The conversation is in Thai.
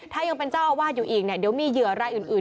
ถ้ายังเป็นเจ้าอาวาสอยู่อีกเนี่ยเดี๋ยวมีเหยื่อรายอื่น